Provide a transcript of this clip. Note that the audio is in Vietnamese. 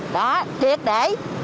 đó triệt để